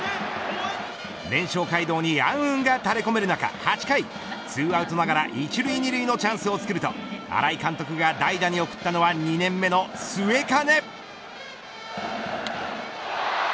連勝街道に暗雲が垂れ込める中８回２アウトながら、１塁２塁のチャンスをつくると、新井監督が代打に送ったのは２年目の末包。